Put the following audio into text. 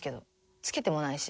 つけてもないし。